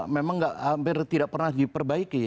memang hampir tidak pernah diperbaiki